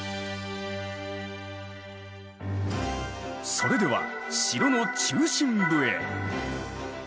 それでは城の中心部へ。